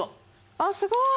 あっすごい！